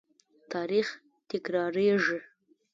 تاریخ تکراریږي